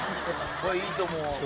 これいいと思う。